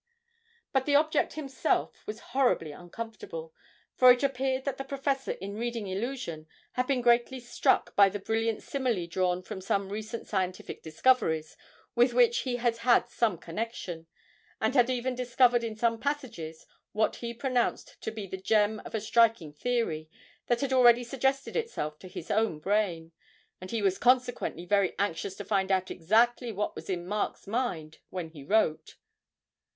But the object himself was horribly uncomfortable; for it appeared that the professor in reading 'Illusion' had been greatly struck by a brilliant simile drawn from some recent scientific discoveries with which he had had some connection, and had even discovered in some passages what he pronounced to be the germ of a striking theory that had already suggested itself to his own brain, and he was consequently very anxious to find out exactly what was in Mark's mind when he wrote.